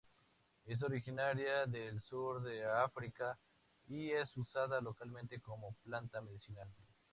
Es originaria del sur de África y es usada localmente como planta medicinal.